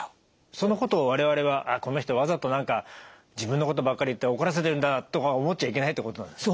そのことを我々はこの人わざと何か自分のことばっかり言って怒らせてるんだとか思っちゃいけないってことなんですか？